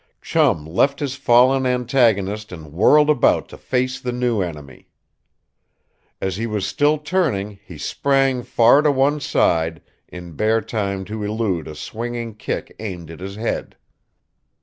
Chum left his fallen antagonist and whirled about to face the new enemy. As he was still turning, he sprang far to one side, in bare time to elude a swinging kick aimed at his head.